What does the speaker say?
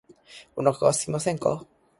お腹がすきませんか